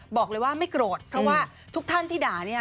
บอกเลยว่าไม่โกรธเพราะว่าทุกท่านที่ด่าเนี่ย